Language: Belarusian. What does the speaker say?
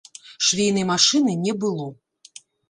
Швейнай машыны не было.